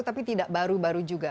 tapi tidak baru baru juga